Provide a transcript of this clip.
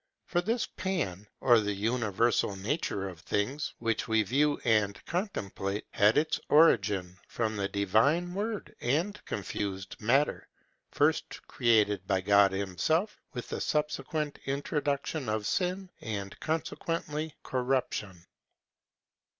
For this Pan, or the universal nature of things, which we view and contemplate, had its origin from the divine word and confused matter, first created by God himself, with the subsequent introduction of sin, and, consequently, corruption.